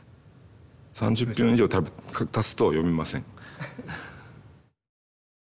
３０分以上たつと読めません。